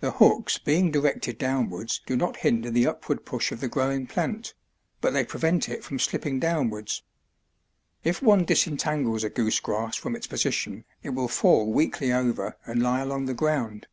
The hooks being directed downwards do not hinder the upward push of the growing plant, but they prevent it from slipping downwards. If one disentangles a goose grass from its position it will fall weakly over and lie along the ground.